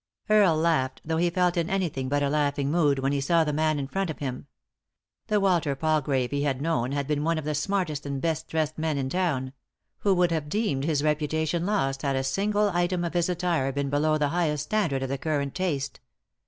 " Earle laughed, though he felt in anything but a laughing mood when he saw the man in front of him The Walter Palgrave he had known had been one of the smartest and best dressed men in town ; who would 243 Digtodb/Google THE INTERRUPTED KISS have deemed his reputation lost had a single item of his attire been below the highest standard of the current taste.